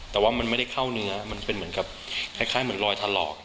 แต่ว่ามันไม่ได้เข้าเนื้อมันเป็นเหมือนกับคล้ายเหมือนรอยถลอก